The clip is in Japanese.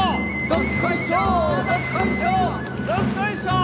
どっこいしょー